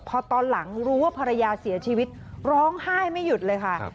พอตอนหลังรู้ว่าภรรยาเสียชีวิตร้องไห้ไม่หยุดเลยค่ะ